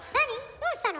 どうしたの？